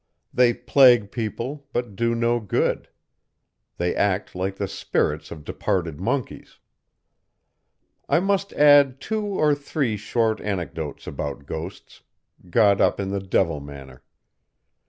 They plague people, but do no good. They act like the spirits of departed monkeys. I must add two or three short anecdotes about ghosts, got up in the devil manner.